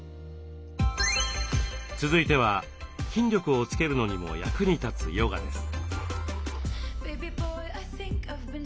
続いては筋力をつけるのにも役に立つヨガです。